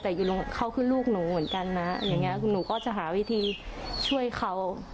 แต่อยู่เขาคือลูกหนูเหมือนกันนะอย่างนี้หนูก็จะหาวิธีช่วยเขา